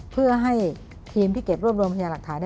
เพื่อให้ทีมที่เก็บรวบรวมพยาหลักฐาน